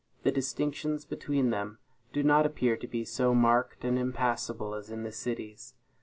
The distinctions between them do not appear to be so marked and impassable as in the cities.